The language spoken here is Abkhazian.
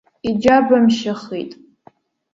Иџьабымшьахит.